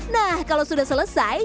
nah kalau sudah selesai